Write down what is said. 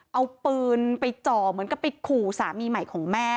เอาปืนไปจ่อเหมือนกับไปขู่สามีใหม่ของแม่